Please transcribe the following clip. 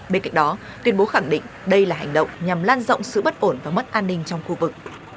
bên cạnh đó tuyên bố khẳng định đây là hành động nhằm lan rộng sự bất ổn và mất an ninh trong khu vực